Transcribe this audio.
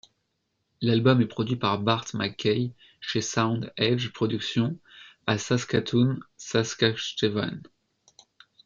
L'album est produit par Bart McKay chez Sound Edge Productions à Saskatoon, Saskatchewan.